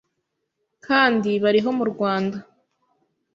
kandi bariho mu rwanda,